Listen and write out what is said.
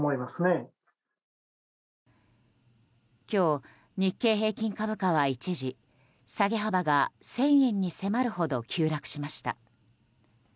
今日、日経平均株価は一時下げ幅が１０００円に迫るほど急落しました。